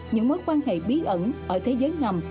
những mối quan hệ bí ẩn ở thế giới ngầm